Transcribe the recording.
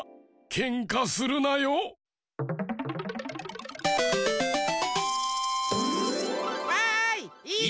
けんかするなよ。わい！